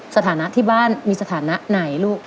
สถานะที่บ้านมีสถานะไหนลูก